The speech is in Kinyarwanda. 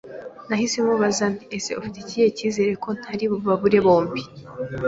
nahise mubaza nti ese ufite ikihe cyizere ko ntari bubabure bombi?